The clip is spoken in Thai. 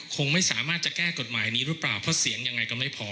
คงไม่สามารถจะแก้กฎหมายนี้หรือเปล่าเพราะเสียงยังไงก็ไม่พอ